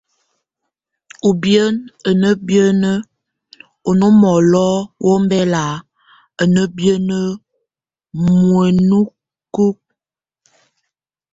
Ubien a nábien oŋómolóawombɛlak a nábiene muenekuk.